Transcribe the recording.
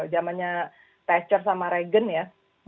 jamanya thatcher sama reagan ya